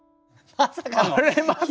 まさか。